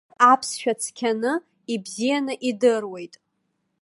Смыр аԥсшәа цқьаны, ибзианы идыруеит.